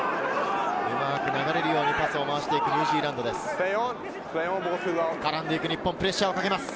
流れるようにパスを展開しているニュージーランドです。